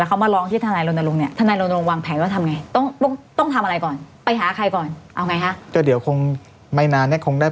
แล้วเขามาร้องที่ท่านายลนรงค์เนี้ยท่านายลนรงค์วางแผลว่าทำไง